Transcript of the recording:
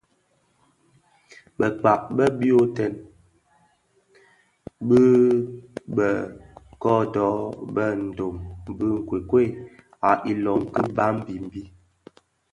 Bëkpag be boytèn bi bë kodo bë ndom bi nkokuei a ilön ki Babimbi.